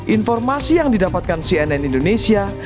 informasi yang didapatkan cnn indonesia